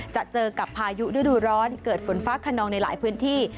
จะเจอกับพายุฤดูร้อนเกิดฝนฟ้าขนองในหลายพื้นที่